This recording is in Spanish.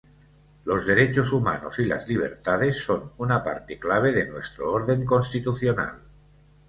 Los derechos humanos y las libertades son una parte clave de nuestro orden constitucional.